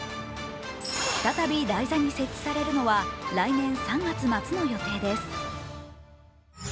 再び台座に設置されるのは来年３月末の予定です。